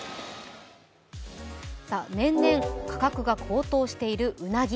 年々価格が高騰しているうなぎ。